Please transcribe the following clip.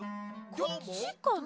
こっちかな？